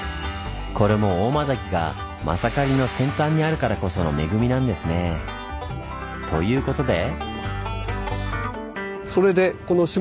これも大間崎がまさかりの先端にあるからこその恵みなんですね。ということで。